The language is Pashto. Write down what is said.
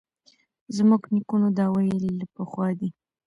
زموږ نیکونو دا ویلي له پخوا دي